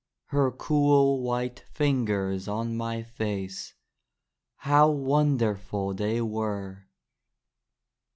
Her cool white fingers on my face How wonderful they were!